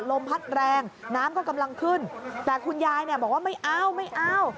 ลมพัดแรงน้ำก็กำลังขึ้นแต่คุณยายเนี่ยบอกว่าไม่เอาไม่เอา